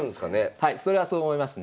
はいそれはそう思いますね。